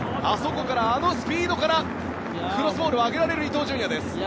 あそこから、あのスピードからクロスボールを上げられる伊東純也です。